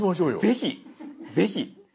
ぜひぜひ。